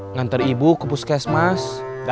ngantar ibu ke puskesmas